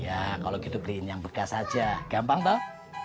ya kalau gitu beliin yang bekas aja gampang tau